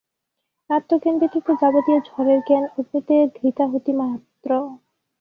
আত্মজ্ঞান ব্যতীত যাবতীয় জড়ের জ্ঞান অগ্নিতে ঘৃতাহুতি মাত্র।